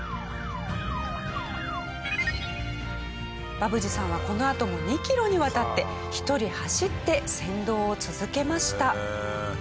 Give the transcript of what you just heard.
バブジさんはこのあとも２キロにわたって一人走って先導を続けました。